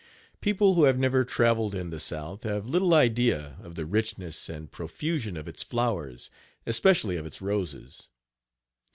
People who have never Page 65 traveled in the South have little idea of the richness and profusion of its flowers, especially of its roses.